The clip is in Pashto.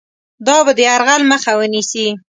دا به د یرغل مخه ونیسي.